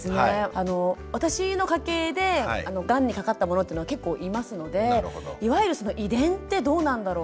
あの私の家系でがんにかかった者っていうのは結構いますのでいわゆるその遺伝ってどうなんだろう？